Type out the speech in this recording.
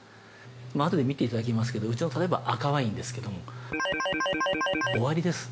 あとで見ていただきますけどうちの例えば赤ワインですけども終わりです。